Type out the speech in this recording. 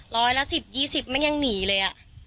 ร้อยละสิบยี่สิบมันยังหนีเลยอ่ะ